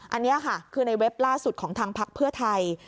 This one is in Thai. อันนี้ค่ะคือในเว็บล่าสุดของทางพักเพื่อไทย